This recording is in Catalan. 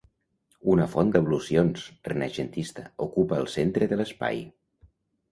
Una font d'ablucions, renaixentista, ocupa el centre de l'espai.